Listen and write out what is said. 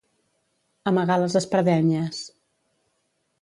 Amagar les espardenyes.